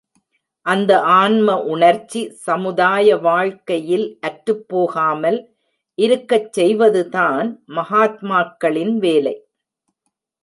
அந்த ஆன்ம உணர்ச்சி சமுதாய வாழ்க்கையில் அற்றுப் போகாமல் இருக்கச் செய்வதுதான் மகாத்மாக்களின் வேலை.